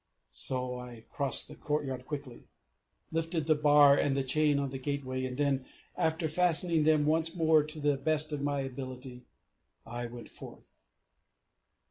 So, I crossed the courtyard quickly, lifted the bar and the chain on the gateway, and then, after fastening them once more to the best of my ability, I went forth.